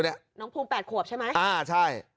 น้องภูมิ๘ขวบใช่ไหมอ่าใช่